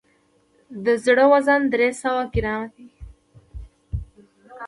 د زړه وزن درې سوه ګرامه دی.